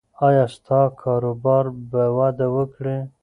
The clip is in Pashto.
ایا ستا کاروبار به وده وکړي؟